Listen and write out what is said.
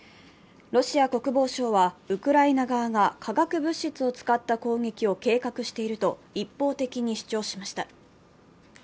ロシア国防省はウクライナ側が化学物質を使った攻撃を計画指定いると一方的に主張しました。